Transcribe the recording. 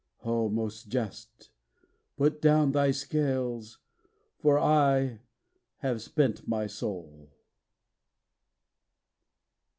O most Just! Put down thy scales: for I have spent my soul.